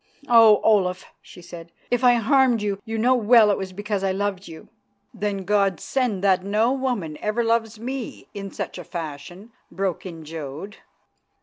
"Oh! Olaf," she said, "if I harmed you, you know well it was because I loved you." "Then God send that no woman ever loves me in such a fashion," broke in Jodd.